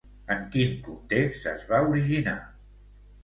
En quin context es va originar?